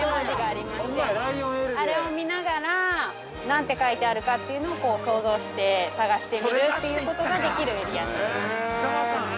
あれを見ながら何て書いてあるかっていうのを想像して探してみるということができるエリアになってます。